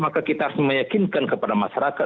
maka kita harus meyakinkan kepada masyarakat